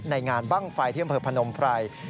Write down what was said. ในงานบ้างไฟเที่ยงเผลอพนมไพร